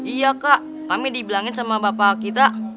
iya kak kami dibilangin sama bapak kita